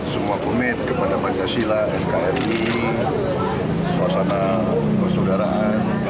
semua komit kepada pancasila nkri suasana persaudaraan